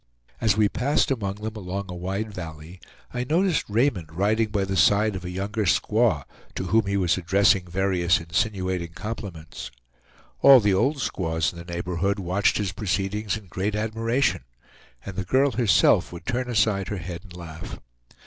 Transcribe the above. As we passed among them along a wide valley, I noticed Raymond riding by the side of a younger squaw, to whom he was addressing various insinuating compliments. All the old squaws in the neighborhood watched his proceedings in great admiration, and the girl herself would turn aside her head and laugh.